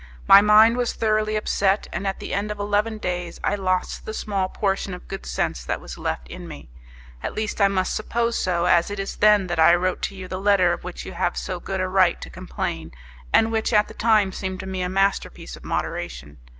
My mind was thoroughly upset, and at the end of eleven days I lost the small portion of good sense that was left in me at least I must suppose so, as it is then that I wrote to you the letter of which you have so good a right to complain, and which at that time seemed to me a masterpiece of moderation.